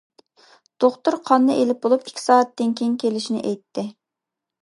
دوختۇر قاننى ئېلىپ بولۇپ ئىككى سائەتتىن كېيىن كېلىشنى ئېيتتى.